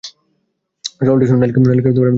সরল টিস্যু নালিকা বান্ডিল গঠন করে না।